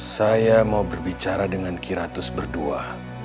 saya mau berbicara dengan kiratus berdua